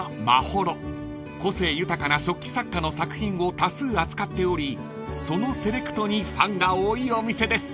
［個性豊かな食器作家の作品を多数扱っておりそのセレクトにファンが多いお店です］